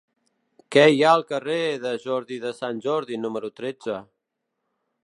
Què hi ha al carrer de Jordi de Sant Jordi número tretze?